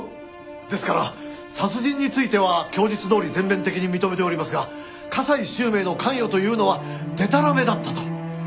ですから殺人については供述どおり全面的に認めておりますが加西周明の関与というのはでたらめだったと。